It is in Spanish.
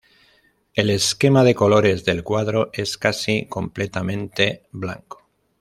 El esquema de colores del cuadro es casi completamente blanco.